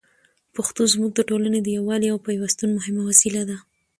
پښتو زموږ د ټولني د یووالي او پېوستون مهمه وسیله ده.